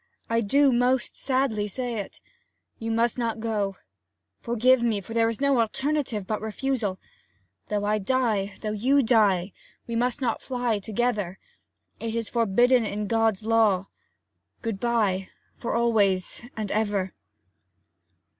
I do most sadly say it. You must not go. Forgive me, for there is no alternative but refusal. Though I die, though you die, we must not fly together. It is forbidden in God's law. Good bye, for always and ever!'